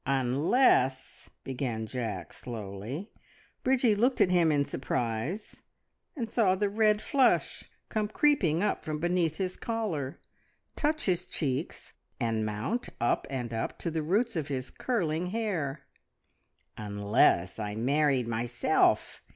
"Unless " began Jack slowly. Bridgie looked at him in surprise, and saw the red flush come creeping up from beneath his collar, touch his cheeks, and mount up and up to the roots of his curling hair. "Unless I married myself!"